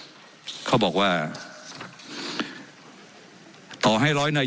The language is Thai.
ว่าการกระทรวงบาทไทยนะครับ